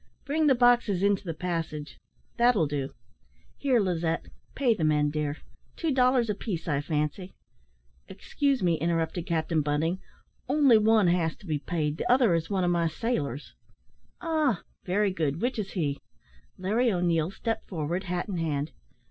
"Bring the boxes into the passage that will do. Here, Lizette, pay the men, dear; two dollars a piece, I fancy " "Excuse me," interrupted Captain Bunting, "only one bas to be paid, the other is one of my sailors." "Ah! very good; which is he?" Larry O'Neil stepped forward, hat in hand.